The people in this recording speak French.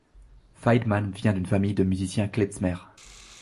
Feidman vient d'une famille de musiciens klezmer.